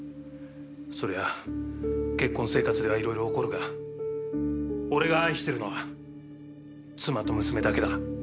そりゃあ結婚生活ではいろいろ起こるが俺が愛してるのは妻と娘だけだ。